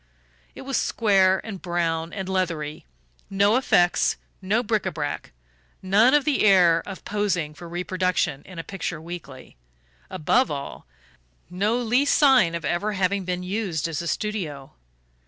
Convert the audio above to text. It was square and brown and leathery: no "effects"; no bric a brac, none of the air of posing for reproduction in a picture weekly above all, no least sign of ever having been used as a studio.